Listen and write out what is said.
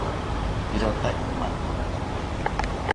Irotaki makota